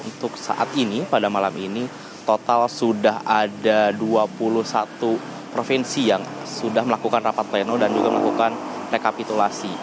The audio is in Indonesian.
untuk saat ini pada malam ini total sudah ada dua puluh satu provinsi yang sudah melakukan rapat pleno dan juga melakukan rekapitulasi